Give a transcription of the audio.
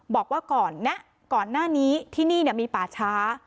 บอกว่าก่อนแนะก่อนหน้านี้ที่นี่เนี่ยมีป่าช้า